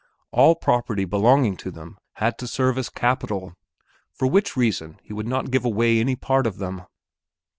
All property belonging to them had to serve as capital, for which reason he would not give away any part of them.